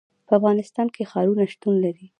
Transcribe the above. په افغانستان کې ښارونه شتون لري.